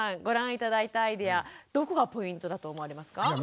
ご覧頂いたアイデアどこがポイントだと思われますか？